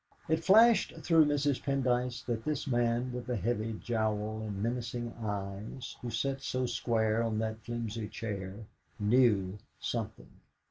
It flashed through Mrs. Pendyce that this man with the heavy jowl and menacing eyes, who sat so square on that flimsy chair, knew something.